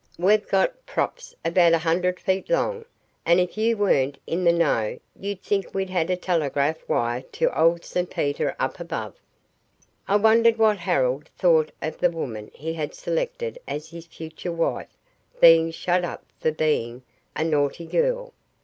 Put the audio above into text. We've got props about a hundred feet long, and if you weren't in the know you'd think we had a telegraph wire to old St Peter up above." I wondered what Harold thought of the woman he had selected as his future wife being shut up for being a "naughty girl".